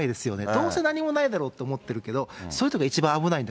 どうせ何もないだろうと思ってるけど、そういうときが一番危ない。